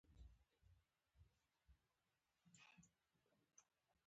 يره راځه په رېبارۍ ورشو.